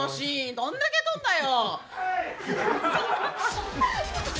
どんだけ撮んだよ！